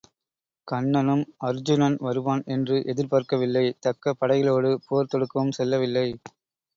கன்னனும் அருச்சுனன் வருவான் என்று எதிர்பார்க்கவில்லை தக்க படைகளோடு போர் தொடுக்கவும் செல்லவில்லை.